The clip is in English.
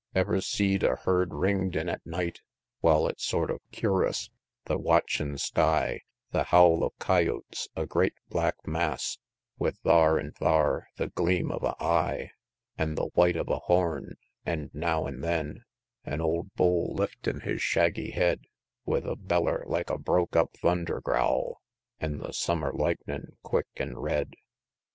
IX. Ever see'd a herd ring'd in at night? Wal, it's sort of cur'us, the watchin' sky, The howl of coyotes a great black mass, With thar an' thar the gleam of a eye An' the white of a horn an', now an' then, An' old bull liftin' his shaggy head, With a beller like a broke up thunder growl An' the summer lightnin', quick an' red, X.